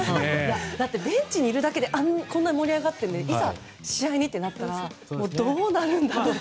ベンチにいるだけでこんな盛り上がっているのにいざ試合にとなったらどうなるんだろうと。